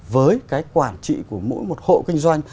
với cái quản trị của mỗi một hộ kinh doanh